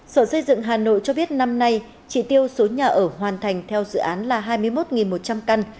sở xây dựng hà nội cho biết năm nay chỉ tiêu số nhà ở hoàn thành theo dự án là hai mươi một một trăm linh căn